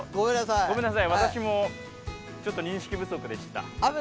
ごめんなさい、私もちょっと認識不足でした。